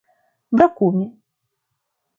brakumi